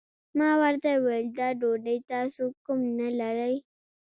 ما ورته وويل دا ډوډۍ تاسو کوم نه لرئ؟